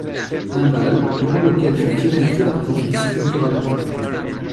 Un bal, durant lequel fut tiré un feu d'artifices, clôtura la joute.